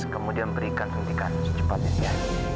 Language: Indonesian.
kemudian berikan suntikan secepatnya ya